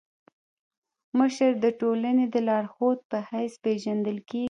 مشر د ټولني د لارښود په حيث پيژندل کيږي.